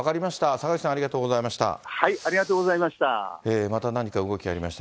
坂口さん、ありがとうございました。